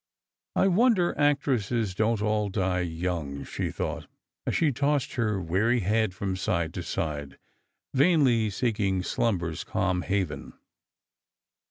" I wonder actresses don't all die young," she thought, as she tossed her weary head from side to side, vainly seeking slumber's calm haven.